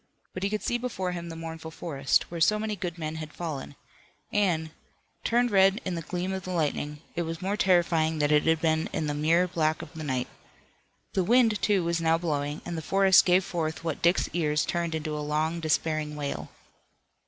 But he could see before him the mournful forest, where so many good men had fallen, and, turned red in the gleam of the lightning, it was more terrifying than it had been in the mere black of the night. The wind, too, was now blowing, and the forest gave forth what Dick's ears turned into a long despairing wail.